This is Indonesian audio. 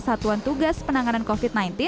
satuan tugas penanganan covid sembilan belas